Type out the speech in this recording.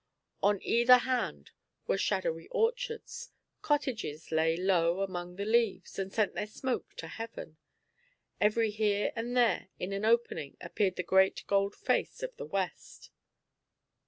On either hand were shadowy orchards; cottages lay low among the leaves, and sent their smoke to heaven; every here and there, in an opening, appeared the great gold face of the west.